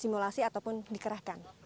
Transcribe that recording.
simulasi ataupun dikerahkan